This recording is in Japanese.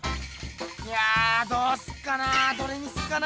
いやどうすっかなどれにすっかな。